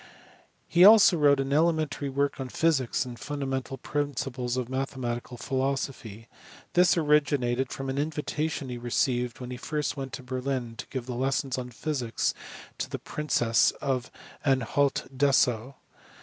He also wrote an elementary work on physics and the fundamental principles of mathematical philosophy. This ori ginated from an invitation he received when he first went to Berlin to give lessons on physics to the princess of Anhalt Dessau.